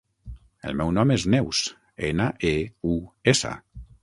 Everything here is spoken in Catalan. El meu nom és Neus: ena, e, u, essa.